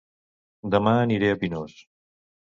Dema aniré a Pinós